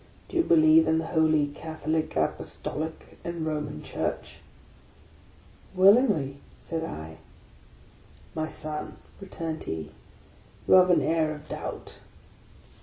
" Do you believe in the holy Catholic, Apostolic, and Ro man Church? "" Willingly," said I. " My son," returned he, " you have an air of doubt."